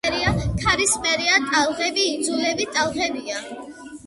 ქარისმიერი ტალღები იძულებითი ტალღებია.